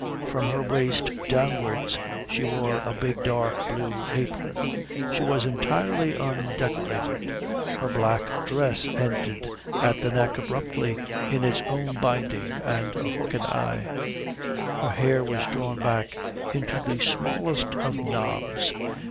From her waist downwards she wore a big dark blue apron. She was entirely undecorated. Her black dress ended at the neck abruptly in its own binding and a hook and eye. Her hair was drawn back into the smallest of knobs.